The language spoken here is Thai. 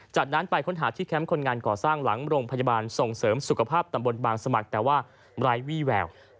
จากนั้นไปค้นหาที่แคมป์คนงานก่อสร้างหลังโรงพยาบาลส่งเสริมสุขภาพตำบลบางสมัครแต่ว่าไร้วี่แวว